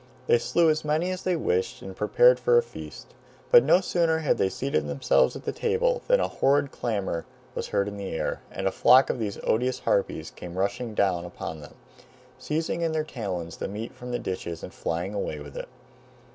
They slew as many as they wished and prepared for a feast. But no sooner had they seated themselves at the table than a horrible clamor was heard in the air, and a flock of these odious harpies came rushing down upon them, seizing in their talons the meat from the dishes and flying away with it.